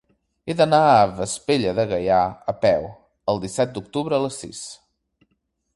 He d'anar a Vespella de Gaià a peu el disset d'octubre a les sis.